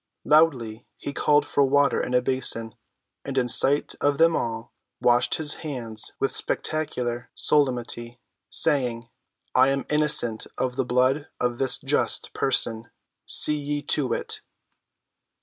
Loudly he called for water in a basin, and in sight of them all washed his hands with spectacular solemnity, saying, "I am innocent of the blood of this just person: see ye to it!"